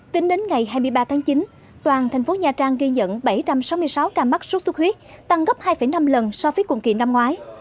tính đến ngày hai mươi ba tháng chín toàn thành phố nha trang ghi nhận bảy trăm sáu mươi sáu ca mắc sốt xuất huyết tăng gấp hai năm lần so với cùng kỳ năm ngoái